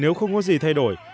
nếu không có gì thay đổi